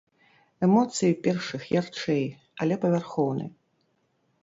Эмоцыі першых ярчэй, але павярхоўны.